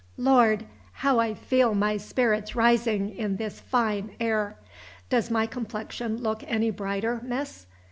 Lord! how I feel my spirits rising in this fine air! Does my complexion look any brighter, miss?